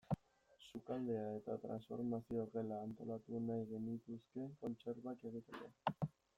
Sukaldea eta transformazio gela antolatu nahi genituzke kontserbak egiteko.